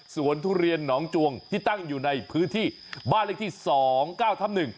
สวนทุเรียนน้องจวงที่ตั้งอยู่ในพื้นที่บ้านเลขที่สองเก้าทำหนึ่ง